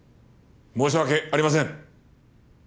申し訳ありません。